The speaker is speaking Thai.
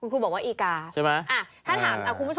ถ้าถามคุณผู้ชม